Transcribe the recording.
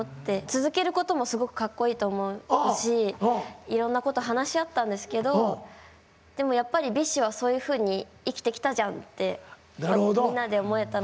続けることもすごくかっこいいと思うしいろんなこと話し合ったんですけどでもやっぱりＢｉＳＨはそういうふうに生きてきたじゃんってみんなで思えたので。